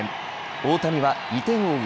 大谷は２点を追う